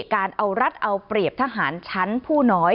การเอารัฐเอาเปรียบทหารชั้นผู้น้อย